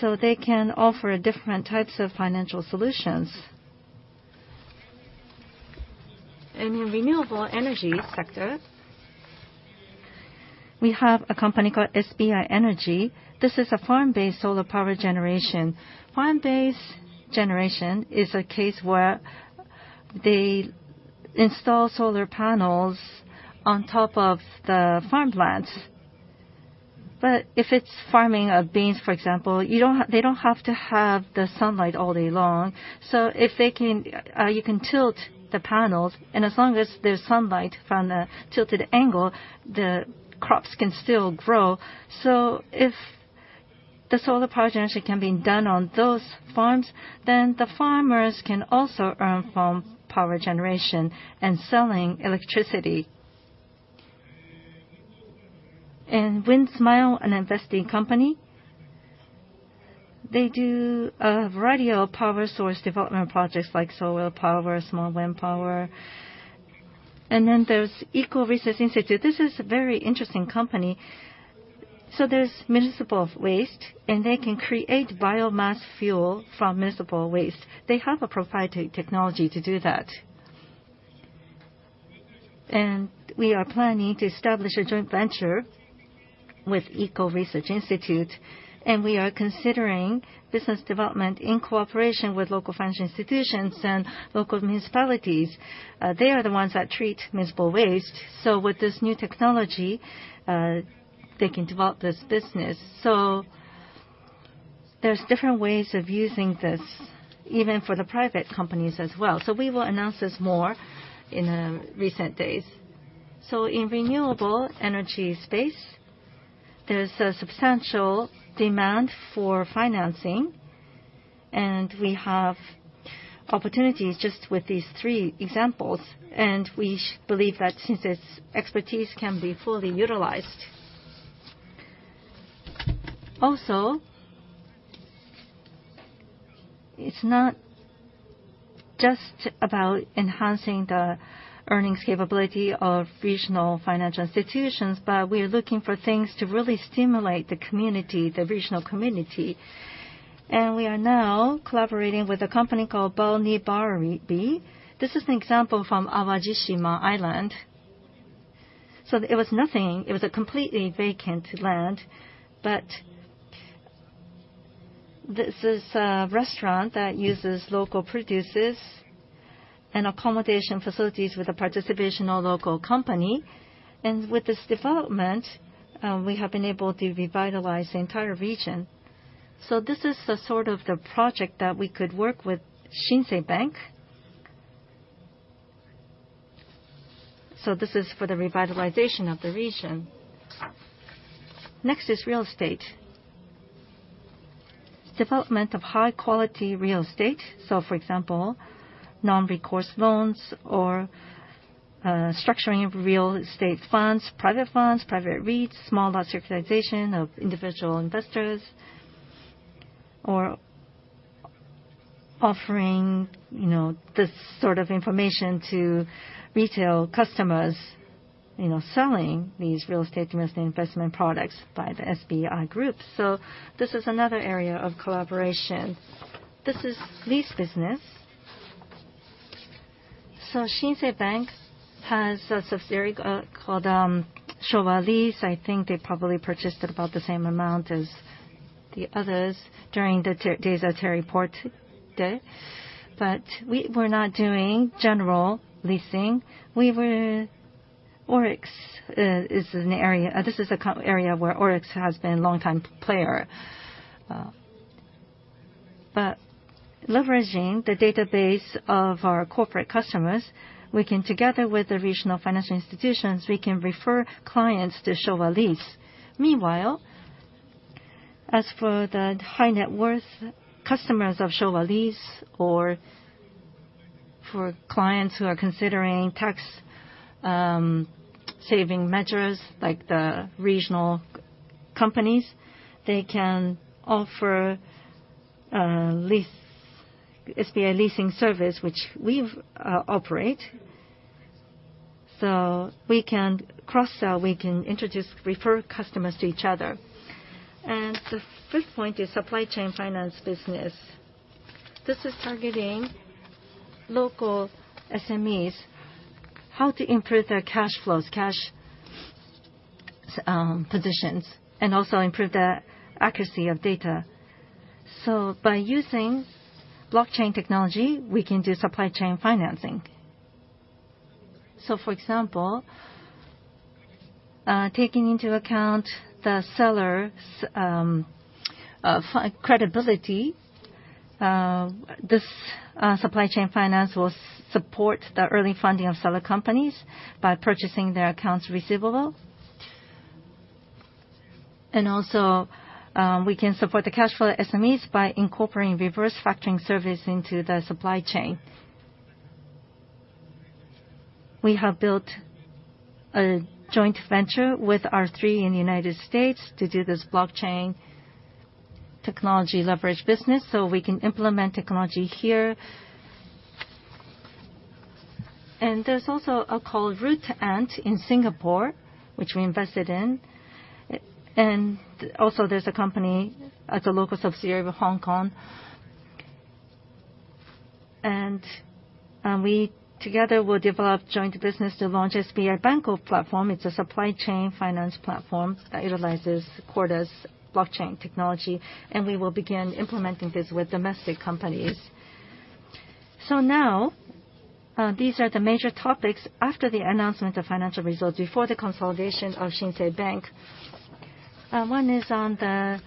so they can offer different types of financial solutions. In renewable energy sector, we have a company called SBI Smart Energy. This is a farm-based solar power generation. Farm-based generation is a case where they install solar panels on top of the farmlands. If it's farming of beans, for example, they don't have to have the sunlight all day long. If they can, you can tilt the panels, and as long as there's sunlight from the tilted angle, the crops can still grow. If the solar power generation can be done on those farms, then the farmers can also earn from power generation and selling electricity. WIND-SMILE, an investing company, they do a variety of power source development projects like solar power, small wind power. There's Eco Research Institute. This is a very interesting company. There's municipal waste, and they can create biomass fuel from municipal waste. They have a proprietary technology to do that. We are planning to establish a joint venture with Eco Research Institute, and we are considering business development in cooperation with local financial institutions and local municipalities. They are the ones that treat municipal waste, so with this new technology, they can develop this business. There's different ways of using this, even for the private companies as well. We will announce this more in recent days. In renewable energy space, there's a substantial demand for financing, and we have opportunities just with these three examples. We believe that since its expertise can be fully utilized. It's not just about enhancing the earnings capability of regional financial institutions, but we are looking for things to really stimulate the community, the regional community. We are now collaborating with a company called Bonheurbari. This is an example from Awajishima Island. It was nothing. It was a completely vacant land. This is a restaurant that uses local producers and accommodation facilities with the participation of local company. With this development, we have been able to revitalize the entire region. This is the sort of the project that we could work with Shinsei Bank. This is for the revitalization of the region. Next is real estate. Development of high-quality real estate. For example, non-recourse loans or structuring of real estate funds, private funds, private REITs, small lot securitization of individual investors or offering, you know, this sort of information to retail customers, you know, selling these real estate investment products by the SBI Group. This is another area of collaboration. This is lease business. Shinsei Bank has a subsidiary called Showa Leasing. I think they probably purchased about the same amount as the others during the days of Thierry Porté did. But we're not doing general leasing. ORIX is an area. This is a commercial area where ORIX has been longtime player. But leveraging the database of our corporate customers, we can, together with the regional financial institutions, refer clients to Showa Leasing. Meanwhile, as for the high net worth customers of Showa Leasing, or for clients who are considering tax saving measures like the regional companies, they can offer lease, SBI Leasing Services, which we operate. We can cross-sell, we can introduce, refer customers to each other. The fifth point is supply chain finance business. This is targeting local SMEs, how to improve their cash flows, positions, and also improve the accuracy of data. By using blockchain technology, we can do supply chain financing. For example, taking into account the seller's credibility, this supply chain finance will support the early funding of seller companies by purchasing their accounts receivable. We can support the cash flow of SMEs by incorporating reverse factoring service into the supply chain. We have built a joint venture with R3 in the United States to do this blockchain technology leverage business, so we can implement technology here. There's also a company called RootAnt in Singapore, which we invested in. And also there's a local subsidiary in Hong Kong. We together will develop joint business to launch SBI Banco platform. It's a supply chain finance platform that utilizes Corda's blockchain technology, and we will begin implementing this with domestic companies. These are the major topics after the announcement of financial results before the consolidation of Shinsei Bank. One is on the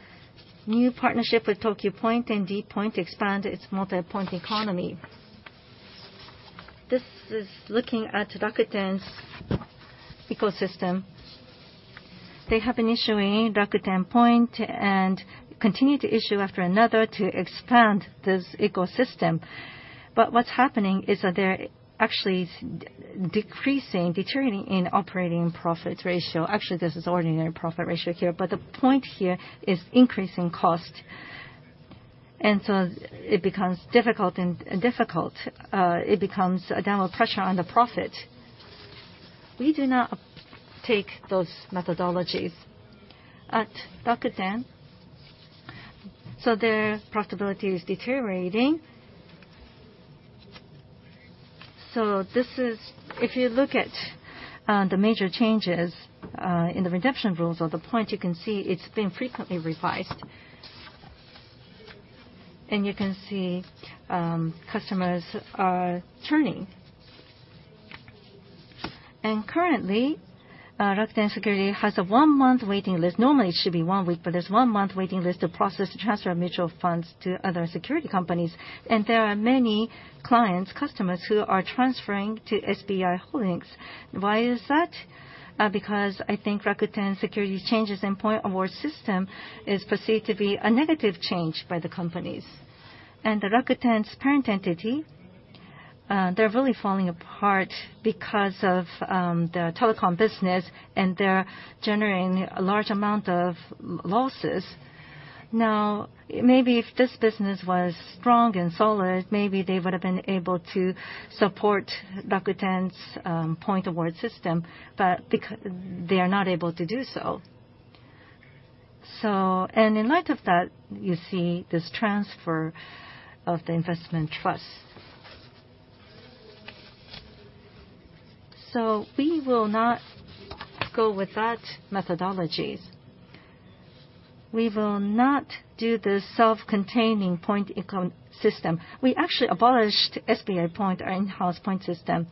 new partnership with TOKYU POINT and d POINT to expand its multi-point economy. This is looking at Rakuten's ecosystem. They have been issuing Rakuten Points and continue to issue after another to expand this ecosystem. What's happening is that they're actually decreasing, deteriorating in operating profit ratio. Actually, this is ordinary profit ratio here, but the point here is increasing cost. It becomes difficult and difficult. It becomes a downward pressure on the profit. We do not take those methodologies at Rakuten. Their profitability is deteriorating. If you look at the major changes in the redemption rules or the points, you can see it's been frequently revised. You can see customers are turning. Currently, Rakuten Securities has a one-month waiting list. Normally, it should be one week, but there's one month waiting list to process transfer of mutual funds to other security companies. There are many clients, customers, who are transferring to SBI Holdings. Why is that? Because I think Rakuten Securities changes in point award system is perceived to be a negative change by the companies. Rakuten's parent entity, they're really falling apart because of the telecom business, and they're generating a large amount of losses. Now, maybe if this business was strong and solid, maybe they would have been able to support Rakuten's point award system, but they are not able to do so. In light of that, you see this transfer of the investment trust. We will not go with that methodologies. We will not do the self-containing point eco-system. We actually abolished SBI Point, our in-house point system,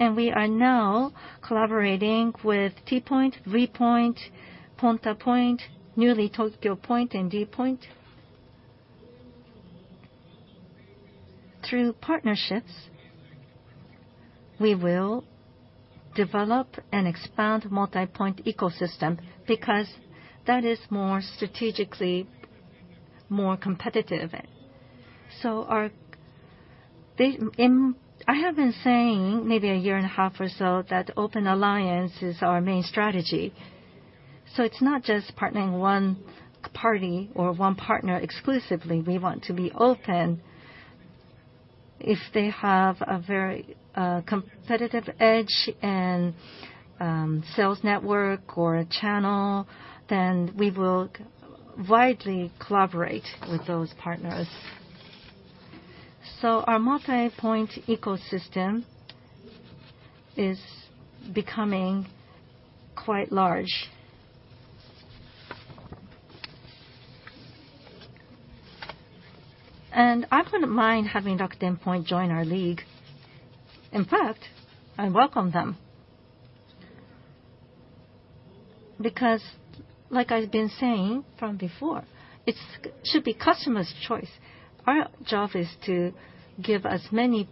and we are now collaborating with T-Point, V-Point, Ponta Point, newly TOKYU POINT and d POINT. Through partnerships, we will develop and expand multi-point ecosystem because that is more strategically more competitive. I have been saying maybe a year and a half or so that open alliance is our main strategy. It's not just partnering one party or one partner exclusively. We want to be open. If they have a very competitive edge and sales network or a channel, then we will widely collaborate with those partners. Our multi-point ecosystem is becoming quite large. I wouldn't mind having Rakuten Point join our league. In fact, I welcome them. Because like I've been saying from before, it should be customer's choice. Our job is to give as many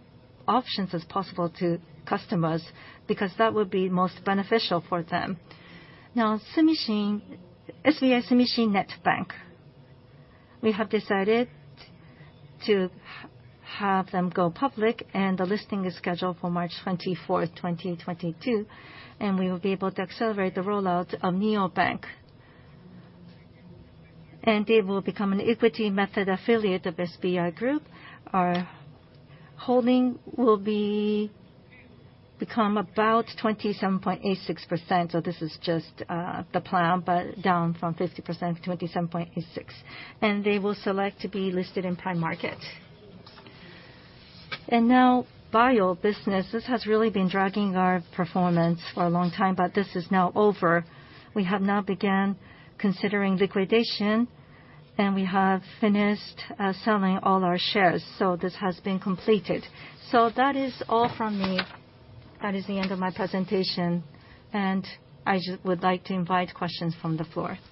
options as possible to customers because that would be most beneficial for them. Now, Sumishin, SBI Sumishin Net Bank, we have decided to have them go public, and the listing is scheduled for March 24, 2022, and we will be able to accelerate the rollout of neobank. They will become an equity method affiliate of SBI Group. Our holding will become about 27.86%, so this is just the plan, but down from 50%-27.86%. They will select to be listed in Prime Market. Now, VIO business. This has really been dragging our performance for a long time, but this is now over. We have now began considering liquidation, and we have finished selling all our shares. This has been completed. That is all from me. That is the end of my presentation, and I would like to invite questions from the floor.